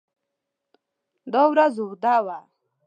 دا ورځ اوږده وه.